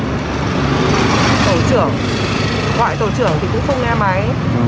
gọi tổ trưởng thì cũng không nghe máy